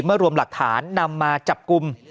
เมื่อรวมหลักฐานนำมาจับกุม